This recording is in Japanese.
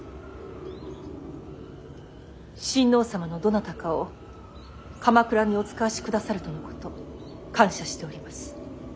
親王様のどなたかを鎌倉にお遣わしくださるとのこと感謝しております。